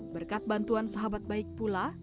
berkat bantuan sahabat baik pula